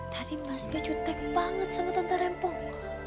tadi mas b cutek banget sama tante rempong